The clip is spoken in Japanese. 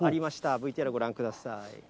ＶＴＲご覧ください。